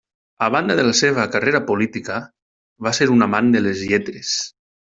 A banda de la seva carrera política, va ser un amant de les lletres.